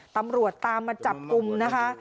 ตำรวจตามมาจับกลุ่มนะคะ